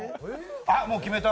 あっ、もう決めた。